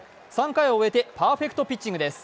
３回を終えてパーフェクトピッチングです。